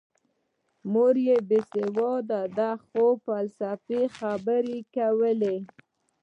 مور یې بې سواده وه خو فلسفي خبرې یې کولې